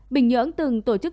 bình nhưỡng từng tổ chức